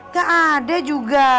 gak ada juga